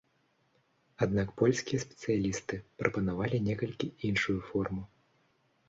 Аднак польскія спецыялісты прапанавалі некалькі іншую форму.